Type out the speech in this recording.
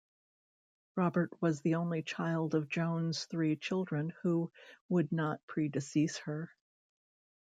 Robert was the only child of Jones' three children who would not predecease her.